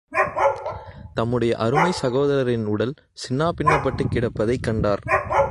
தம்முடைய அருமைச் சகோதரரின் உடல் சின்னாபின்னப்பட்டுக் கிடப்பதைக் கண்டார்.